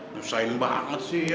susahin banget sih ya